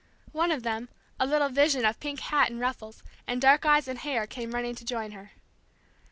One of them, a little vision of pink hat and ruffles, and dark eyes and hair, came running to join her.